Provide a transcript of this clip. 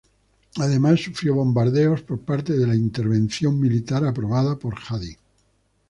Además, sufrió bombardeos por parte de la intervención militar aprobada por Hadi.